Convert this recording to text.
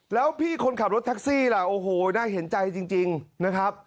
แล้วพี่คนขับรถแท็กซี่ล่ะโอ้โหน่าเห็นใจจริงนะครับ